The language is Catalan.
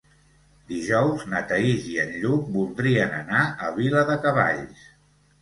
Dijous na Thaís i en Lluc voldrien anar a Viladecavalls.